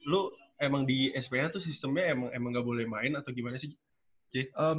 lu emang di sph tuh sistemnya emang ga boleh main atau gimana sih